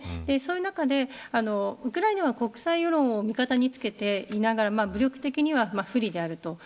そういう中でウクライナは国際世論を味方につけていながら武力的には不利であると。